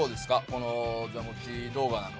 この座持ち動画なんか。